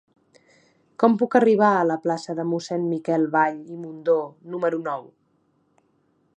Com puc arribar a la plaça de Mossèn Miquel Vall i Mundó número nou?